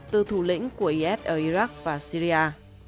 từ thủ lĩnh của is ở iraq và syria